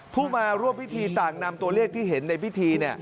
ผู้มาร่วมพิธีต่างนำตัวเลขที่เห็นในพิธี